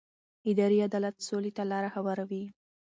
اداري عدالت سولې ته لاره هواروي